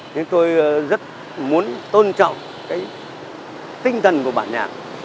thế tôi rất muốn tôn trọng cái tinh thần của bản nhạc